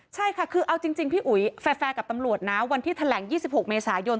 ใช่ค่ะคือเอาจริงจริงพี่อุ๋ยแฟร์แฟร์กับตำลวดนะวันที่แถลงยี่สิบหกเมษายน